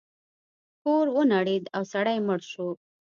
کور ونړید او سړی مړ شو.